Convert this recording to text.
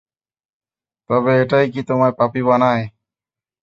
তবে এটাই কি তোমায় পাপী বানায়?